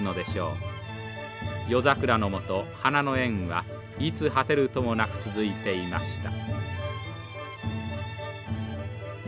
夜桜の下花の宴はいつ果てるともなく続いていました。